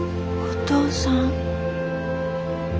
お父さん？